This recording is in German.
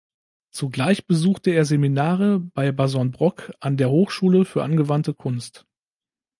Zugleich besuchte er Seminare bei Bazon Brock an der Hochschule für angewandte Kunst.